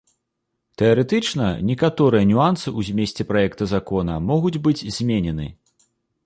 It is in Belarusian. Тэарэтычна некаторыя нюансы ў змесце праекта закона могуць быць зменены.